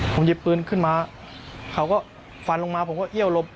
ผมหยิบปืนขึ้นมาเขาก็ฟันลงมาผมก็เอี้ยวหลบ